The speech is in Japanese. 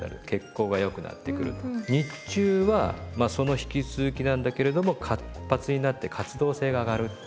日中はその引き続きなんだけれども活発になって活動性が上がる。